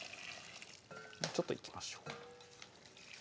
もうちょっといきましょう